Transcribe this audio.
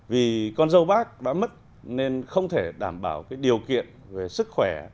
vì con dâu bác đã mất nên không thể đảm bảo cái điều kiện về sức khỏe